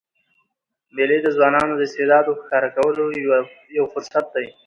مېلې د ځوانانو د استعدادو ښکاره کولو یو فرصت يي.